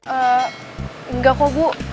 eh enggak kok bu